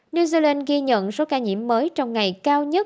new zealand ghi nhận số ca nhiễm mới trong ngày cao nhất